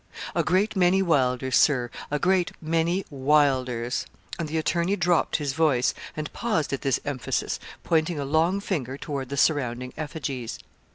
'A great many Wylders, Sir a great many Wylders.' And the attorney dropped his voice, and paused at this emphasis, pointing a long finger toward the surrounding effigies.